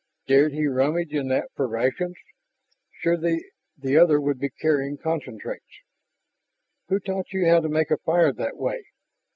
Dared he rummage in that for rations? Surely the other would be carrying concentrates. "Who taught you how to make a fire that way?"